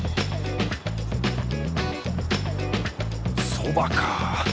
そばか。